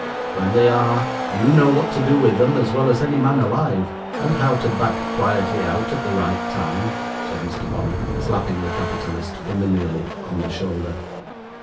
'When they are, you know what to do with them as well as any man alive, and how to back quietly out at the right time,' said Mr. Bonney, slapping the capitalist familiarly on the shoulder.